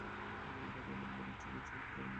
দাদা, আমার বড়ো ইচ্ছে করছে একটা কিছু করি।